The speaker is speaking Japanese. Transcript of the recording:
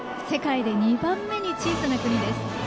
世界で２番目に小さな国です。